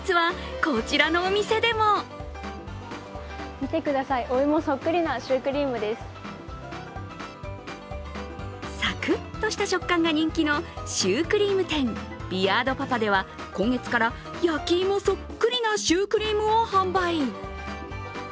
見てください、お芋そっくりなシュークリーさくっとした食感が人気のシュークリーム店ビアードパパでは今月から焼き芋そっくりなシュークリームを販売。